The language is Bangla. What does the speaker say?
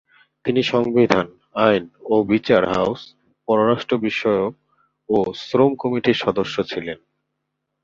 তিনি সংবিধান, আইন ও বিচার, হাউস, পররাষ্ট্র বিষয়ক ও শ্রম কমিটির সদস্য ছিলেন।